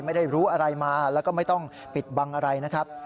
ไม่ได้รู้อะไรมาแล้วก็ไม่ต้องปิดบังอะไรนะครับ